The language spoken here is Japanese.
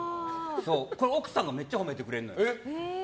奥さんがめっちゃ褒めてくれるのよ。